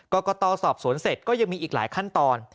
กรกตสอบสวนเสร็จก็ยังมีอีกหลายขั้นตอน